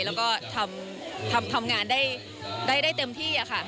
แล้วก็ทำงานได้เต็มที่ค่ะ